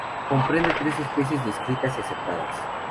Comprende tres especies descritas y aceptadas.